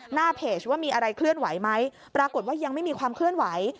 หน้าเพจว่ามีอะไรเคลื่อนไหวไหมปรากฏว่ายังไม่มีความเคลื่อนไหว